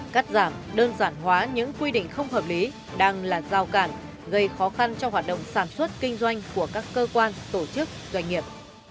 cắt giảm đơn giản hóa những quy định không hợp lý đang là giao cản gây khó khăn cho hoạt động sản xuất kinh doanh của các cơ quan tổ chức doanh nghiệp